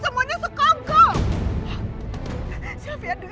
saya mamanya saya enggak terima anak saya diperlakukan seperti itu